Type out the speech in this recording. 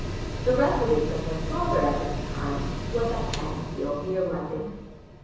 The residence of her father at this time, was at Enfield near London.